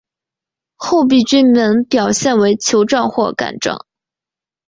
厚壁菌门表现为球状或者杆状。